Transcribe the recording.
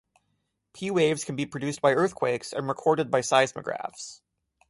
P-waves can be produced by earthquakes and recorded by seismographs.